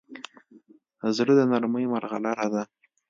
زړه د نرمۍ مرغلره ده.